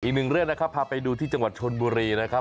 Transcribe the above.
อีกหนึ่งเรื่องนะครับพาไปดูที่จังหวัดชนบุรีนะครับ